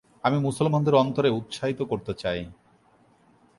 আমি মুসলমানদের অন্তরে উৎসাহিত করতে চাই।